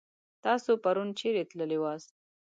تاسو پرون چيرې تللي واست؟